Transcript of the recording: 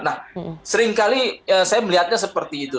nah seringkali saya melihatnya seperti itu